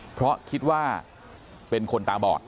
เพราะคิดว่าเป็นคนตาบอด